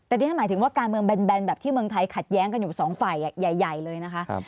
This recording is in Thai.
แต่ที่ฉันหมายถึงว่าการเมืองแบนแบบที่เมืองไทยขัดแย้งกันอยู่สองฝ่ายใหญ่เลยนะคะ